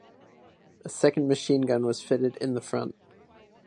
A second machine gun was fitted in the front.